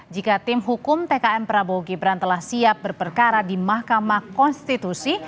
jika tim hukum tkn prabowo gibran telah siap berperkara di mahkamah konstitusi